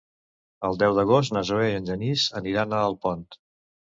El deu d'agost na Zoè i en Genís aniran a Alpont.